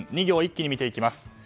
２行、一気に見ていきます。